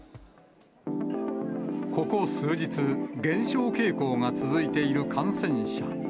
ここ数日、減少傾向が続いている感染者。